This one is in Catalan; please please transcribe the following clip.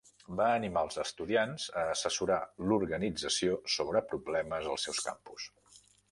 Va animar els estudiants a assessorar l'organització sobre problemes als seus campus.